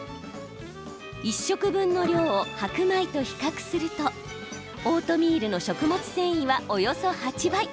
１食分の量を白米と比較するとオートミールの食物繊維はおよそ８倍！